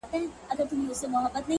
تاته پرتمه یمه راشه که نه